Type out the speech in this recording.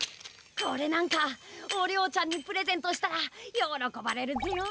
これなんかお龍ちゃんにプレゼントしたらよろこばれるぜよ！